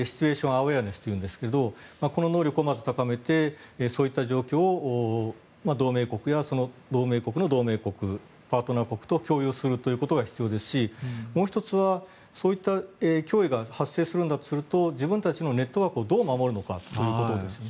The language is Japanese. この能力をまず高めてそういう状況を同盟国や同盟国の同盟国パートナー国と共有することが必要ですしもう１つはそういった脅威が発生するんだとすると自分たちのネットワークをどう守るのかということですね。